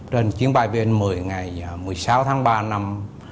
trên chiến bay vn một mươi ngày một mươi sáu tháng ba năm hai nghìn hai mươi ba